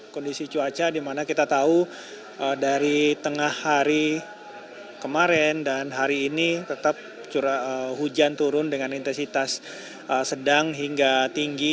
kondisi cuaca di mana kita tahu dari tengah hari kemarin dan hari ini tetap hujan turun dengan intensitas sedang hingga tinggi